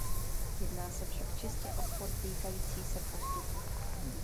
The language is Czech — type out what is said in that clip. Jedná se však čistě o spor týkající se postupu.